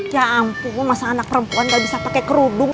ya ampun masa anak perempuan gak bisa pakai kerudung